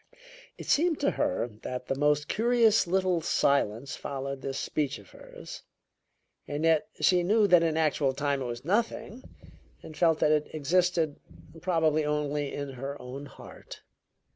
It seemed to her that the most curious little silence followed this speech of hers, and yet she knew that in actual time it was nothing, and felt that it existed probably only in her own heart.